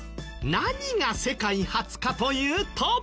何が世界初かというと。